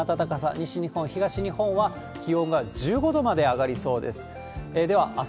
西日本、東日本は気温が１５度まで上がりそうです。